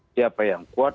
siapa yang kuat